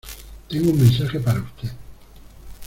tengo un mensaje para usted